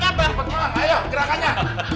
cepet banget ayo gerakannya